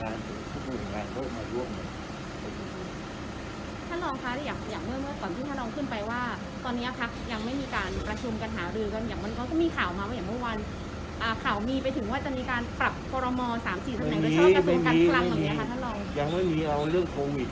ให้หายให้ดีก่อนผ่านไปพิษัทของการไปให้เรียบร้อยก่อนให้คนอำมาตย์กินได้ดี